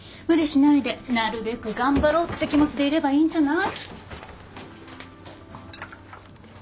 無理しないでなるべく頑張ろうって気持ちでいればいいんじゃない？